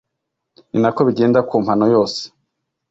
Ni nako bigenda ku mpano yose